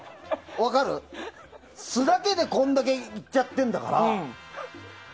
素だけでこれだけいっちゃってるんだから。